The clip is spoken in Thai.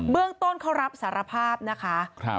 เรื่องต้นเขารับสารภาพนะคะ